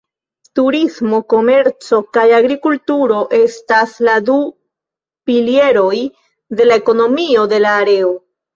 Turismo, komerco kaj agrikulturo estas la du pilieroj de la ekonomio de la areo.